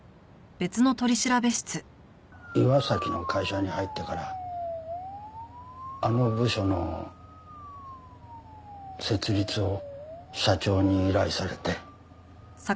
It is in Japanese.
岩崎の会社に入ってからあの部署の設立を社長に依頼されて。